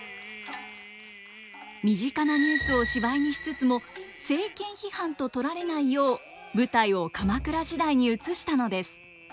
身近なニュースを芝居にしつつも政権批判と取られないよう舞台を鎌倉時代に移したのです。